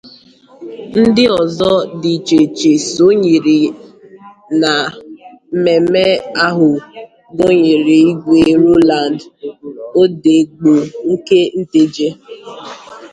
Ndị ọzọ dị iche iche sonyere na mmemme ahụ gụnyèrè Igwe Rowland Odegbo nke Nteje